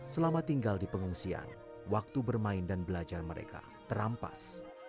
selama tinggal di pengungsian waktu bermain dan belajar mereka terampas